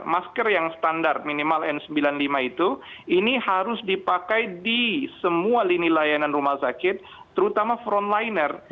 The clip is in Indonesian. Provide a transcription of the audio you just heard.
masker yang standar minimal n sembilan puluh lima itu ini harus dipakai di semua lini layanan rumah sakit terutama frontliner